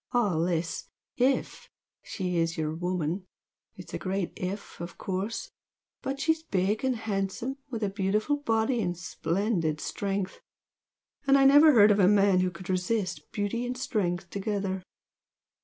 All this, IF she is 'your woman!' It's a great 'if' of course! but she's big and handsome, with a beautiful body and splendid strength, and I never heard of a man who could resist beauty and strength together.